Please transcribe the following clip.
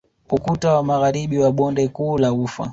Ukuta wa magharibi wa bonde kuu la ufa